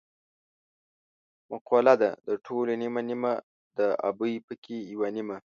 مقوله ده: د ټولو نیمه نیمه د ابۍ پکې یوه نیمه.